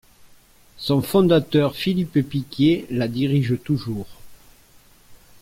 Son fondateur Philippe Picquier la dirige toujours.